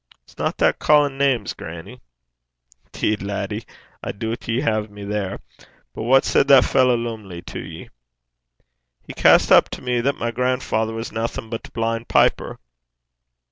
'Isna that ca'in' names, grannie?' ''Deed, laddie, I doobt ye hae me there. But what said the fallow Lumley to ye?' 'He cast up to me that my grandfather was naething but a blin' piper.'